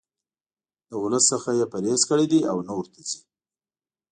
له ولس څخه یې پرهیز کړی دی او نه ورته ځي.